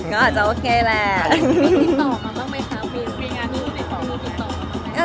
ใครก็ออกบนท่องไหมแล้วมีติ่มตอบเมื่อไม่คะ